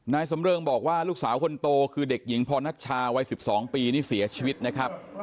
นายสำเริงบอกว่าลูกสาวคนโตคือเด็กหญิงพรณัชชาวัย๑๒ปีนี่เสียชีวิตนะครับ